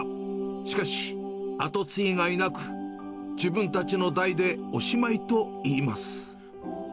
しかし、後継ぎがいなく、自分たちの代でおしまいといいます。